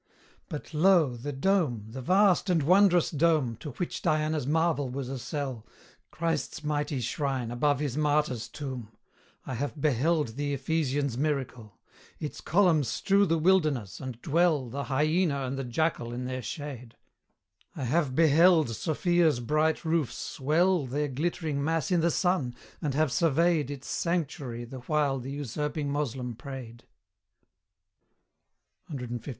But lo! the dome the vast and wondrous dome, To which Diana's marvel was a cell Christ's mighty shrine above his martyr's tomb! I have beheld the Ephesian's miracle Its columns strew the wilderness, and dwell The hyaena and the jackal in their shade; I have beheld Sophia's bright roofs swell Their glittering mass i' the sun, and have surveyed Its sanctuary the while the usurping Moslem prayed; CLIV.